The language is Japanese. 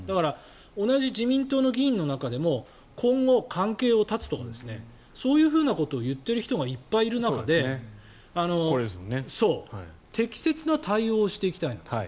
同じ自民党の議員の中でも今後、関係を絶つとかそういうことを言っている人がいっぱいいる中で適切な対応をしていきたいと。